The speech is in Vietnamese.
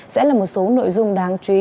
sẽ là một số nội dung đáng chú ý